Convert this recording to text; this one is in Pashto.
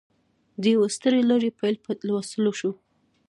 د یوې سترې لړۍ پیل په لوستلو وشو